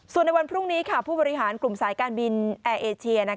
ส่วนในวันพรุ่งนี้ผู้บริหารกลุ่มสายการบินแอร์เอเชีย